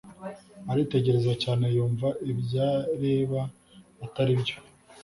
aritegereza cyane yumva ibyareba ataribyo